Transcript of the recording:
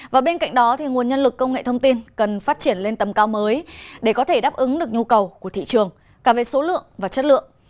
và bên cạnh đó nguồn nhân lực công nghệ thông tin cần phát triển lên tầm cao mới để có thể đáp ứng được nhu cầu của thị trường cả về số lượng và chất lượng